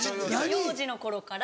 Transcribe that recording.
・幼児の頃から。